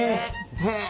へえ。